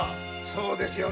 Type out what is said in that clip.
そうですよ